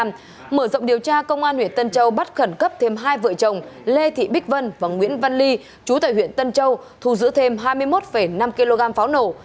mở rộng điều tra công an huyện tân châu bắt khẩn cấp thêm hai vợ chồng lê thị bích vân và nguyễn văn ly chú tại huyện tân châu thu giữ thêm hai mươi một năm kg pháo nổ